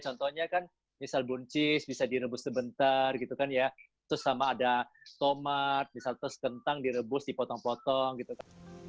contohnya kan misal buncis bisa direbus sebentar gitu kan ya terus sama ada tomat misal terus kentang direbus dipotong potong gitu kan